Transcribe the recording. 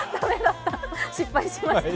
失敗しました。